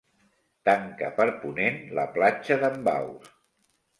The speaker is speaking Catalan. Tanca per ponent la Platja d'en Baus.